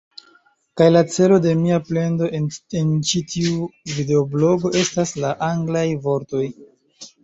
Kaj la celo de mia plendo en ĉi tiu videoblogo estas la anglaj vortoj